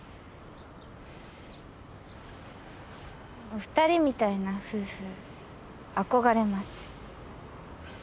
お二人みたいな夫婦憧れます。